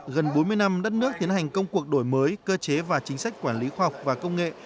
gần bốn mươi năm đất nước tiến hành công cuộc đổi mới cơ chế và chính sách quản lý khoa học và công nghệ